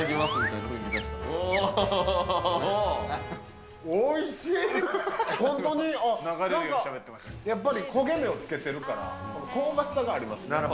なんか、やっぱり焦げ目をつけてるから、香ばしさがありますね。